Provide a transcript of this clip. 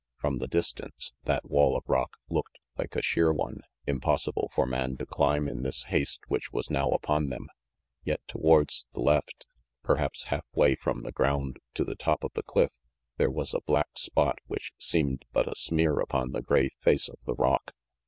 From the distance, that wall of rock looked like a sheer one, impossible for man to climb in this haste which was now upon them; yet towards the left, perhaps half way from the ground to the top of the cliff, there was a black spot which seemed but a smear upon the gray face of the rock.